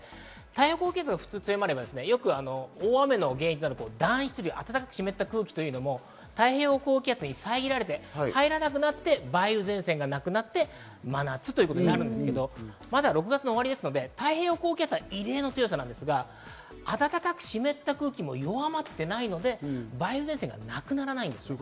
太平洋高気圧が強まれば大雨の原因となる暖湿量、暖かく湿った空気が太平洋高気圧に遮られて、入らなくなって梅雨前線がなくなって、真夏となるんですけれど、まだ６月終わりですので太平洋高気圧は異例な強さですが、暖かく湿った空気も弱まってないので、梅雨前線がなくならないんです。